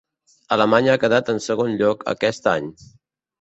Alemanya ha quedat en segon lloc aquest any.